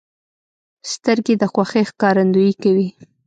سترګې د خوښۍ ښکارندویي کوي